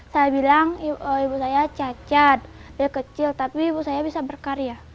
saya bilang ibu saya cacat dia kecil tapi ibu saya bisa berkarya